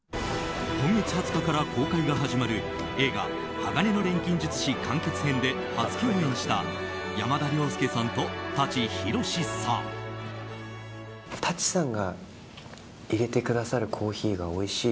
今月２０日から公開が始まる映画「鋼の錬金術師完結編」で初共演した山田涼介さんと舘ひろしさん。